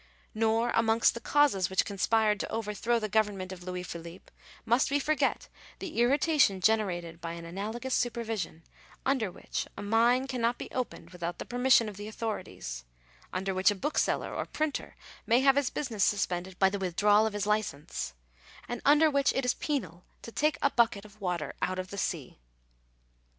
Nor, amongst the causes which conspired to overthrow the government of Louis Philippe, must we forget the irritation generated by an analogous supervision, under which a mine cannot be opened without the permission of the authorities ; under which a bookseller or printer may have his business suspended by the withdrawal of his licence ; and under which it is penal to take a bucket of water out of the sea.